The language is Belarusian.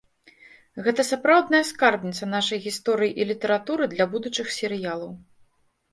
Гэта сапраўдная скарбніца нашай гісторыі і літаратуры для будучых серыялаў.